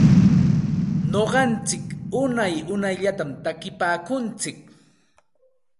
Nuqantsik unay unayllatam takinpaakuntsik.